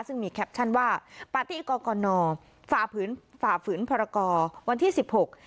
ซึ่งมีแคปชั่นว่าปาร์ตี้กรกนฝ่าฝืนฝ่าฝืนพรกรวันที่สิบหก